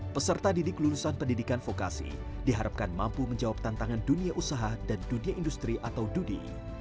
peserta didik lulusan pendidikan vokasi diharapkan mampu menjawab tantangan dunia usaha dan dunia industri atau dudi